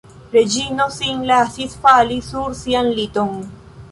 Reĝino sin lasis fali sur sian liton.